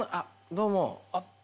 どうも。